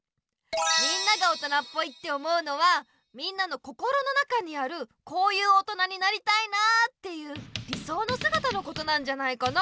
みんなが大人っぽいって思うのはみんなの心の中にある「こういう大人になりたいな」っていう理想のすがたのことなんじゃないかな。